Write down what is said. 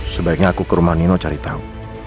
sebaiknya aku ke rumah nino cari tahu